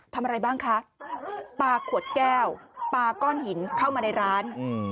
ทำอะไรบ้างคะปลาขวดแก้วปลาก้อนหินเข้ามาในร้าน